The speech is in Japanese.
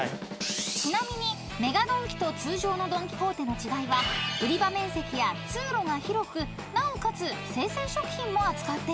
［ちなみにＭＥＧＡドンキと通常のドン・キホーテの違いは売り場面積や通路が広くなおかつ生鮮食品も扱っているんです］